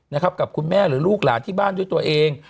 นะครับกับคุณแม่หรือลูกหลานที่บ้านด้วยตัวเอง